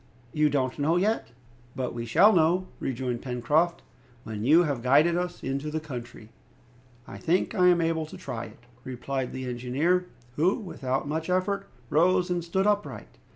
"You don't know yet?" "But we shall know," rejoined Pencroft, "when you have guided us into the country." "I think I am able to try it," replied the engineer, who, without much effort, rose and stood upright.